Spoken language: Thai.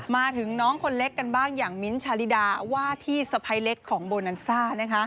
มาถึงน้องคนเล็กกันบ้างอย่างมิ้นท์ชาลิดาว่าที่สะพ้ายเล็กของโบนันซ่า